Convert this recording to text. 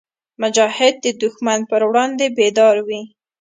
مجاهد د دښمن پر وړاندې بیدار وي.